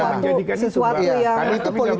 karena kami masih lihat ada media tersebut